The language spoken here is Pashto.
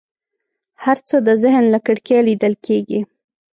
هر څه د ذهن له کړکۍ لیدل کېږي.